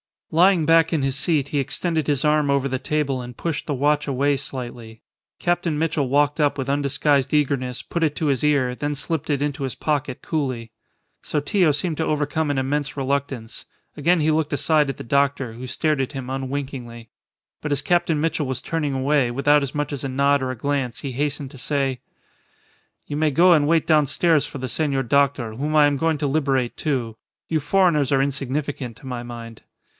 Lying back in his seat, he extended his arm over the table and pushed the watch away slightly. Captain Mitchell walked up with undisguised eagerness, put it to his ear, then slipped it into his pocket coolly. Sotillo seemed to overcome an immense reluctance. Again he looked aside at the doctor, who stared at him unwinkingly. But as Captain Mitchell was turning away, without as much as a nod or a glance, he hastened to say "You may go and wait downstairs for the senor doctor, whom I am going to liberate, too. You foreigners are insignificant, to my mind."